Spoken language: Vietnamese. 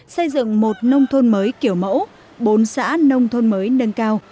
xây dựng một nông thôn mới kiểu mẫu bốn xã nông thôn mới nâng cao